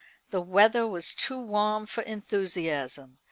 The weather was too warm for enthusiasm.